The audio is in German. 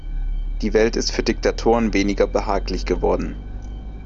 Die Welt ist für Diktatoren weniger behaglich geworden.